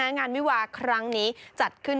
งานวิวาครั้งนี้จัดขึ้น